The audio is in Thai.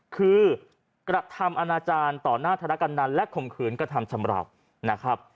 คือกระทำอนาจารย์ต่อหน้าธรกำนันและข่มขืนกระทำชำราวนะครับ